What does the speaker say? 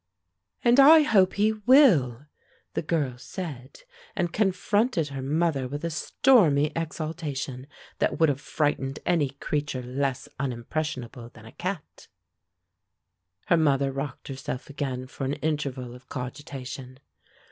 "And I hope he will" the girl said, and confronted her mother with a stormy exaltation that would have frightened any creature less unimpressionable than a cat. Her mother rocked herself again for an interval of cogitation.